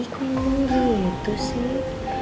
kau ngerti itu sih